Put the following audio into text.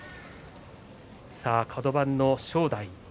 カド番の正代。